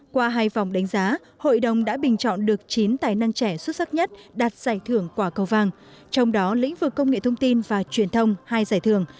qua hai vòng đánh giá hội đồng đã bình chọn được chín tài năng trẻ xuất sắc nhất đạt giải thưởng quả cầu vàng trong đó lĩnh vực công nghệ thông tin và truyền thông hai giải thưởng